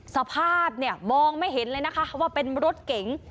สภาพเนี่ยมองไม่เห็นเลยนะคะว่าเป็นรถเก๋ง